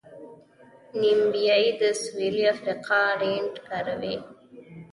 نیمیبیا د سویلي افریقا رینډ کاروي.